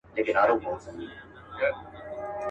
پرې کوي به یو د بل غاړي سرونه.